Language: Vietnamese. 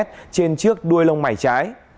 trên chiếc đuôi lông mảy trái